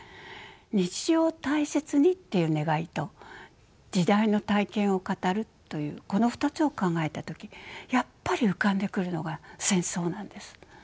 日常を大切にっていう願いと時代の体験を語るというこの２つを考えた時やっぱり浮かんでくるのが戦争なんです。